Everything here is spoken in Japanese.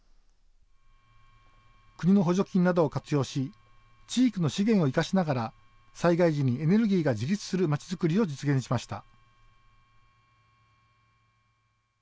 国の補助金などを活用し地域の資源を生かしながら災害時にエネルギーが自立する町作りを実現しました。